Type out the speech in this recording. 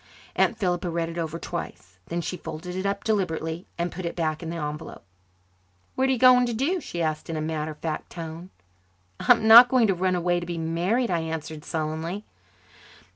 Aunt Philippa read it over twice. Then she folded it up deliberately and put it back in the envelope. "What are you going to do?" she asked in a matter of fact tone. "I'm not going to run away to be married," I answered sullenly.